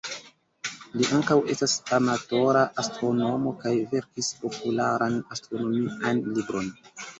Li ankaŭ estas amatora astronomo kaj verkis popularan astronomian libron.